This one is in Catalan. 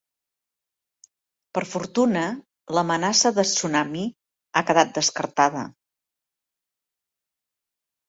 Per fortuna, l'amenaça de tsunami ha quedat descartada.